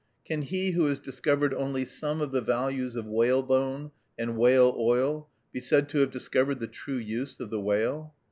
Can he who has discovered only some of the values of whalebone and whale oil be said to have discovered the true use of the whale?